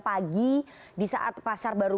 pagi di saat pasar baru